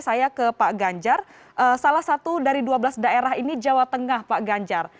saya ke pak ganjar salah satu dari dua belas daerah ini jawa tengah pak ganjar